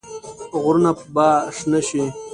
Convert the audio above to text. غرونه به شنه شي.